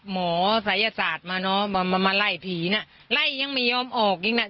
มาไล่หมามันไล่ภีรน่ะยังไม่ยอมออกแบบนั้น